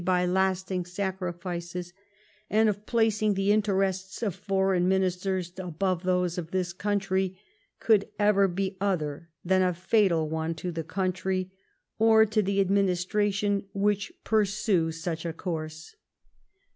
ritjr by Iftfttitig sacrifices, and of placing the interests of foreign ministers above those of this country, coald ever be other than a fatal one to the country, or to the admi nistration which pursue such a course."